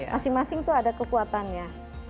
masing masing itu ada kekuatannya